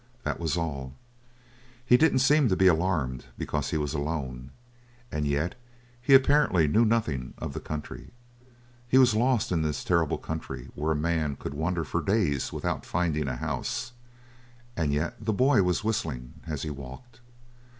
That was all. He didn't seem to be alarmed because he was alone, and yet he apparently knew nothing of the country; he was lost in this terrible country where a man could wander for days without finding a house, and yet the boy was whistling as he walked!